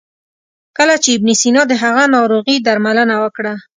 کله چې ابن سینا د هغه ناروغي درملنه وکړه.